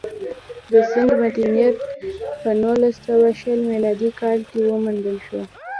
د سند مدنیت په نولس سوه شل میلادي کال کې وموندل شو